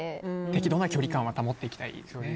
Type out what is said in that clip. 適度な距離感は保っていきたいですね。